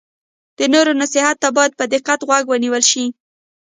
د نورو نصیحت ته باید په دقت غوږ ونیول شي.